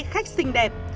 khách xinh đẹp